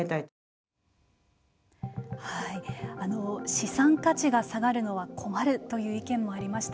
資産価値が下がるのは困るという意見もありました。